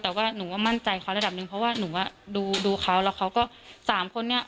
แต่ว่าหนูก็มั่นใจเขาระดับหนึ่งเพราะว่าหนูอ่ะดูเขาแล้วเขาก็สามคนนี้